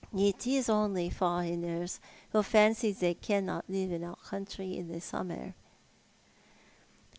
It is only foreigners who fancy they cannot live in our country in the summer."